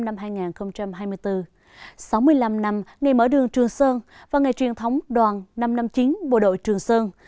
sáu mươi năm năm ngày mở đường trường sơn và ngày truyền thống đoàn năm trăm năm mươi chín bộ đội trường sơn